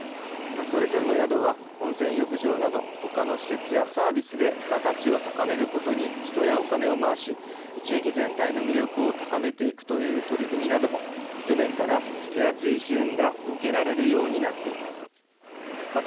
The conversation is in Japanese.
それぞれの宿は温泉浴場など他の施設やサービスで付加価値を高めることに人やお金を回し地域全体の魅力を高めていくという取り組みなども去年から手厚い支援が受けられるようになっています。